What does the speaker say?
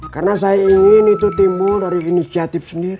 karena saya ingin itu timbul dari inisiatif sementara